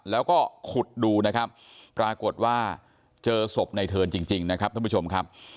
แล้วก็ขุดดูนะครับปรากฏว่าเจอศพในเทิร์นจริงนะครับท่านผู้ชมครับ